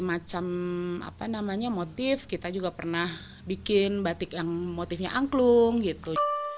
dari macam motif kita juga pernah bikin batik yang motifnya angklung gitu